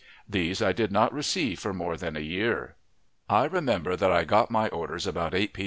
These I did not receive for more than a year. I remember that I got my orders about 8 p.